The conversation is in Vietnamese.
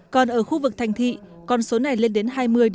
còn ở khu vực thanh thị con số này lên đến hai mươi bốn mươi